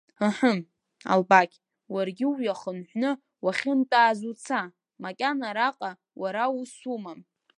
Аҳы, Албақь, уаргьы уҩахынҳәны уахьынтәааз уца, макьана араҟа уара ус умам!